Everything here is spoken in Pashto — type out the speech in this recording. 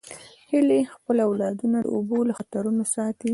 هیلۍ خپل اولادونه د اوبو له خطرونو ساتي